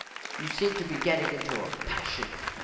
_ You seem to be getting into a passion.